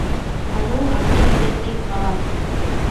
அதோ அந்த இடத்தைப் பார்.